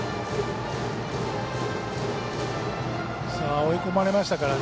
追い込まれましたからね。